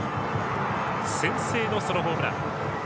先制のソロホームラン。